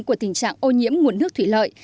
của tình trạng ô nhiễm nguồn nước thủy lợi